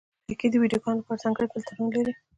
لایکي د ویډیوګانو لپاره ځانګړي فېلټرونه لري.